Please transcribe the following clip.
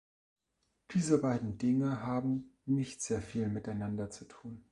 Diese beiden Dinge haben nicht sehr viel miteinander zu tun.